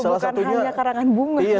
bukan hanya karangan bunga